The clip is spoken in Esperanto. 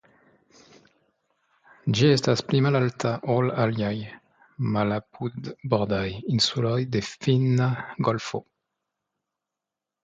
Ĝi estas pli malalta ol aliaj malapudbordaj insuloj de Finna golfo.